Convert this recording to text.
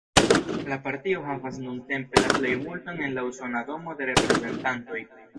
La partio havas nuntempe la plejmulton en la Usona Domo de Reprezentantoj.